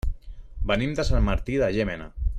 Venim de Sant Martí de Llémena.